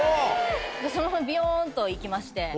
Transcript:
そのままビヨンと行きまして。